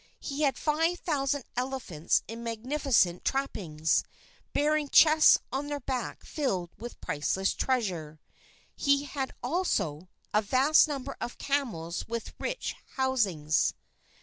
He had five thousand elephants in magnificent trappings, bearing chests on their backs filled with priceless treasure. He had also, a vast number of camels with rich housings.